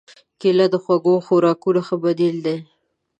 کېله د خوږو خوراکونو ښه بدیل دی.